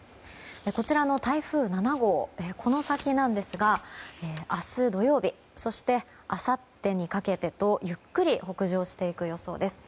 こちらの台風７号この先なんですが明日土曜日そしてあさってにかけてとゆっくり北上していく予想です。